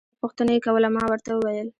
ستا پوښتنه يې کوله ما ورته وويل.